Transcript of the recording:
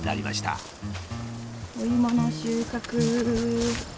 お芋の収穫！